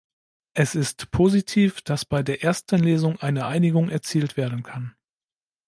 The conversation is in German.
Es ist positiv, dass bei der ersten Lesung eine Einigung erzielt werden kann.